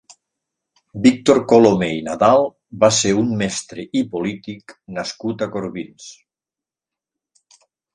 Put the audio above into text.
Víctor Colomer i Nadal va ser un mestre i polític nascut a Corbins.